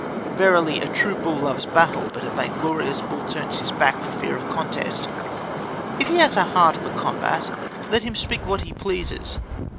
Verily a true bull loves battle, but a vain glorious bull turns his back for fear of contest; if he has a heart for combat, let him speak what he pleases.